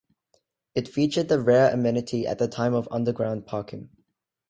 It featured the rare amenity at the time of underground parking.